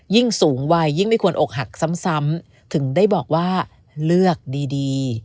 ยิ่งสูงวัยยิ่งไม่ควรอกหักซ้ำถึงได้บอกว่าเลือกดี